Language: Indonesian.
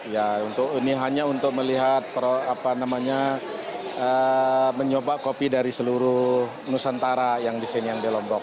ya ini hanya untuk melihat apa namanya mencoba kopi dari seluruh nusantara yang disini yang di lombok